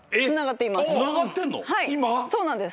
そうなんです。